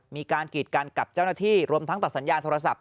มีการกีดกันกับเจ้าหน้าที่รวมทั้งตัดสัญญาณโทรศัพท์